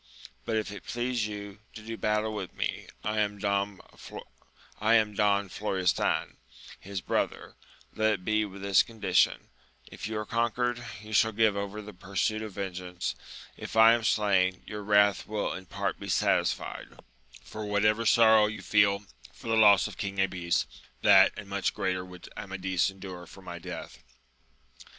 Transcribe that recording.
but if it please you to do battle with me, who am Don Florestan, his bro ther, let it be with; this condition : if you are conquered, you shall give over the pursuit of vengeance ; if I am slain, your wrath will in part be satisfied, for whatever sorrow you feel for the loss of King Abies, that and much greater would Amadis endure for my death.